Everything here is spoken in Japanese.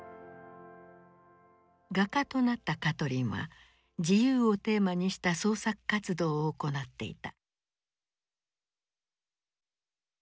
画家となったカトリンは「自由」をテーマにした創作活動を行っていた。